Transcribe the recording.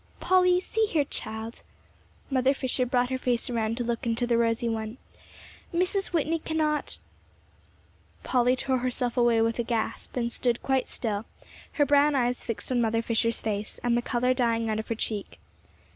"Polly, see here, child," Mother Fisher brought her face around to look into the rosy one; "Mrs. Whitney cannot " Polly tore herself away with a gasp, and stood quite still, her brown eyes fixed on Mother Fisher's face, and the color dying out of her cheek.